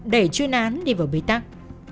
để chuyên án đi vào bế tắc